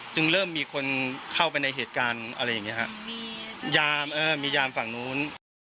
เริ่มมีคนเข้าไปในเหตุการณ์อะไรอย่างเงี้ฮะยามเออมียามฝั่งนู้น